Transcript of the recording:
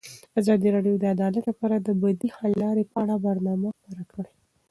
ازادي راډیو د عدالت لپاره د بدیل حل لارې په اړه برنامه خپاره کړې.